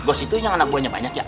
bos itu yang anak buahnya banyak ya